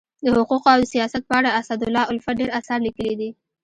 د حقوقو او سیاست په اړه اسدالله الفت ډير اثار لیکلي دي.